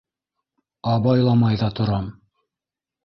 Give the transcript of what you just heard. Абайламай ҙа торам.